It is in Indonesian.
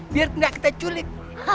biar gak kita culik